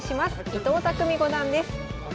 伊藤匠五段です。